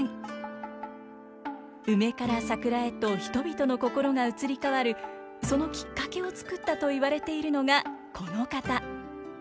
梅から桜へと人々の心が移り変わるそのきっかけを作ったといわれているのがこの方。